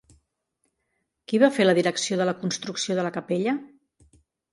Qui va fer la direcció de la construcció de la capella?